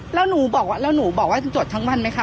แล้วหนูบอกว่าแล้วหนูบอกว่าจะจดทั้งวันไหมคะ